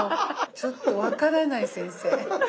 ちょっと分からない先生。